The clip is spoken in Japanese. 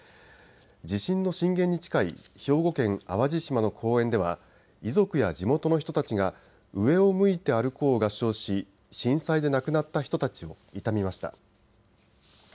地震の震源に近い兵庫県淡路島の公園では遺族や地元の人たちが上を向いて歩こうを合唱し震災で亡くなった人たちを悼みました。